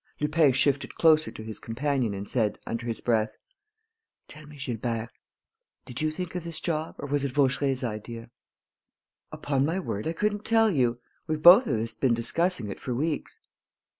Lupin shifted closer to his companion and said, under his breath: "Tell me, Gilbert, did you think of this job, or was it Vaucheray's idea?" "Upon my word, I couldn't tell you: we've both of us been discussing it for weeks."